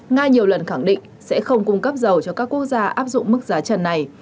nga nhiều lần khẳng định sẽ không cung cấp dầu cho các quốc gia áp dụng mức giá trần này